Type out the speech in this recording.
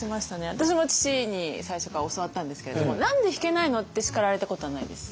私も父に最初から教わったんですけれども「何で弾けないの」って叱られたことはないです。